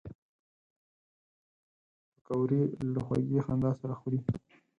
پکورې له خوږې خندا سره خوري